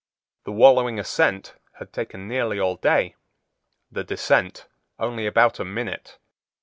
The wallowing ascent had taken nearly all day, the descent only about a minute.